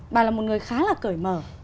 bà là một người khá là cởi mở